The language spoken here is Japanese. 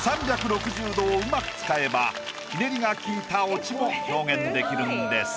３６０度をうまく使えばひねりが効いたオチも表現できるんです。